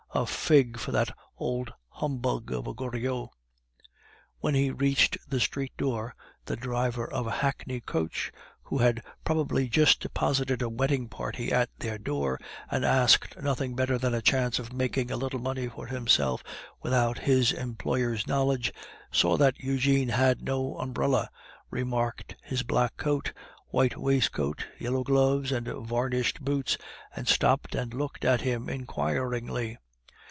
A fig for that old humbug of a Goriot!" When he reached the street door, the driver of a hackney coach, who had probably just deposited a wedding party at their door, and asked nothing better than a chance of making a little money for himself without his employer's knowledge, saw that Eugene had no umbrella, remarked his black coat, white waistcoat, yellow gloves, and varnished boots, and stopped and looked at him inquiringly.